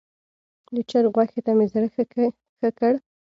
د چرګ غوښې ته مې زړه ښه کړ.